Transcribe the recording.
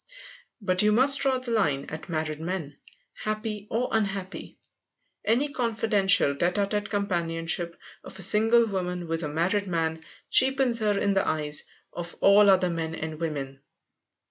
But you must draw the line at married men, happy or unhappy. Any confidential, tête à tête companionship of a single woman with a married man cheapens her in the eyes of all other men and women.